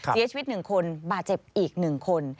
เสียชีวิตหนึ่งคนบาดเจ็บอีกหนึ่งคน